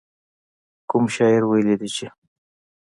کوم شاعر ويلي دي چې.